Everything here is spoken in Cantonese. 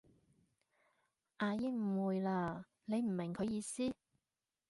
阿姨誤會喇，你唔明佢意思？